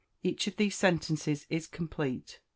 Each of these sentences is complete.